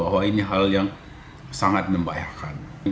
bahwa ini hal yang sangat membahayakan